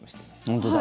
本当だ。